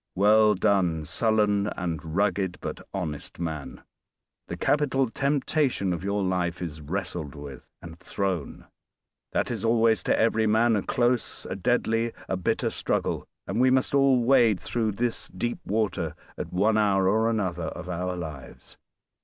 Well done, sullen and rugged but honest man; the capital temptation of your life is wrestled with and thrown. That is always to every man a close, a deadly, a bitter struggle; and we must all wade through this deep water at one hour or another of our lives.